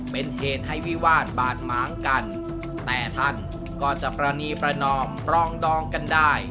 เป็นเหตุให้วิวาสบาดหมางกันแต่ท่านก็จะประณีประนอมปรองดองกันได้